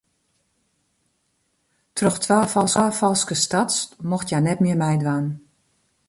Troch twa falske starts mocht hja net mear meidwaan.